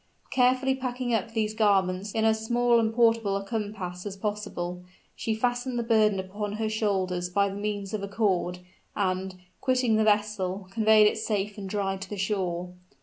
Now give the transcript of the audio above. Carefully packing up these garments in as small and portable a compass as possible, she fastened the burden upon her shoulders by the means of a cord, and, quitting the vessel, conveyed it safe and dry to the shore.